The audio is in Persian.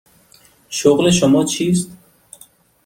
شغل شما چیست؟